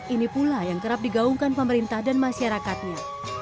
ini pula yang kerap digaungkan pemerintah dan masyarakatnya